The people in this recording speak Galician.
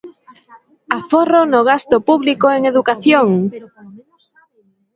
¡Aforro no gasto público en educación!